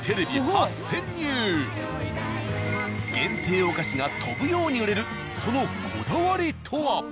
限定お菓子が飛ぶように売れるそのこだわりとは？